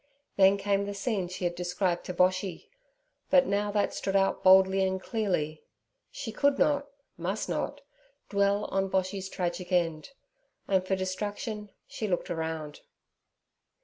Then came the scene she had described to Boshy, but now that stood out boldly and clearly. She could not—must not—dwell on Boshy's tragic end, and for distraction she looked round.